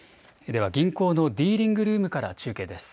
では銀行のディーリングルームから中継です。